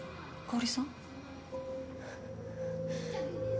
・香織さん！